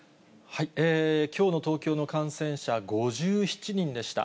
きょうの東京の感染者、５７人でした。